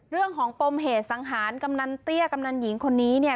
เรื่องของปมเหตุสังหารกำนันเตี้ยกำนันหญิงคนนี้เนี่ย